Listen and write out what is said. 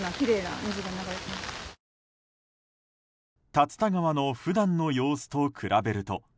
竜田川の普段の様子と比べると。